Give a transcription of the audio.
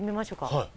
はい。